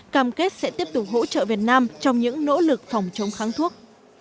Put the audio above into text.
cam kết sẽ tiếp tục hỗ trợ việt nam trong những nỗ lực phòng chống kháng thuốc